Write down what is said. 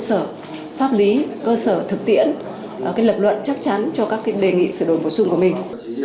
cơ sở pháp lý cơ sở thực tiễn cái lập luận chắc chắn cho các cái đề nghị sửa đồn bổ sung của mình